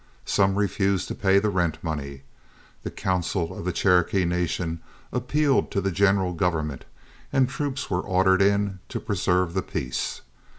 Some refused to pay the rent money, the council of the Cherokee Nation appealed to the general government, and troops were ordered in to preserve the peace.